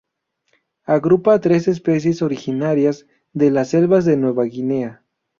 Agrupa a tres especies originarias de las selvas de Nueva Guinea.